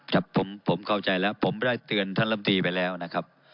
ครับผมเข้าใจแล้วผมได้เตือนท่านลำตีไปแล้วนะครับ